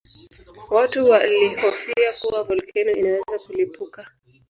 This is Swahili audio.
Watu walihofia kuwa volkano inaweza kulipuka